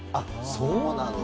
そうなんだ。